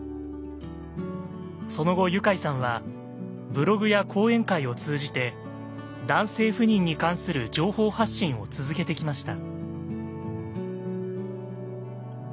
その後ユカイさんはブログや講演会を通じて男性不妊に関する情報発信を続けてきました。